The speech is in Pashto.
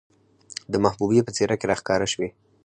د محبوبې په څېره کې راښکاره شوې،